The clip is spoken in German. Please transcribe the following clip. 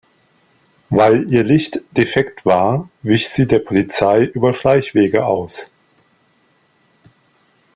Weil ihr Licht defekt war, wich sie der Polizei über Schleichwege aus.